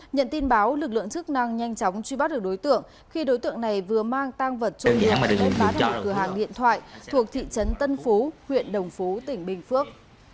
nhận tin báo lực lượng chức năng nhanh chóng truy bắt được đối tượng khi đối tượng này vừa mang tang vật trung hiệu đến bá thành cửa hàng điện thoại thuộc thị trấn tân phú huyện đồng phú tỉnh bình phước